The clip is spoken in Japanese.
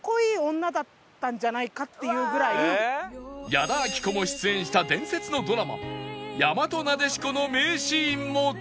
矢田亜希子も出演した伝説のドラマ『やまとなでしこ』の名シーンも大公開！